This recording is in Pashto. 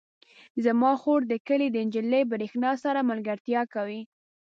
زما خور د کلي د نجلۍ برښنا سره ملګرتیا کوي.